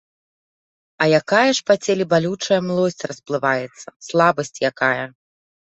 А якая ж па целе балючая млосць расплываецца, слабасць якая!